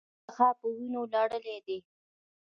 دغه ښار په وینو لړلی دی.